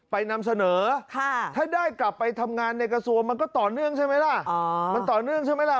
นำเสนอถ้าได้กลับไปทำงานในกระทรวงมันก็ต่อเนื่องใช่ไหมล่ะมันต่อเนื่องใช่ไหมล่ะ